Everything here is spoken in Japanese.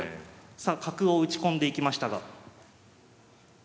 さあ角を打ち込んでいきましたが。